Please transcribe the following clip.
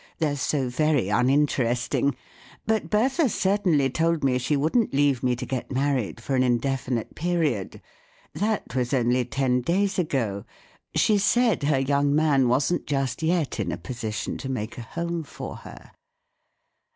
They're so very uninteresting. But Bertha certainly told me she wouldn't leave me to get married for an indefinite period. That was only ten days ago. She said her young man wasn't just yet in a position to make a home for her."